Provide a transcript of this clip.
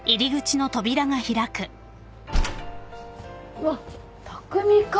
うわっ匠か。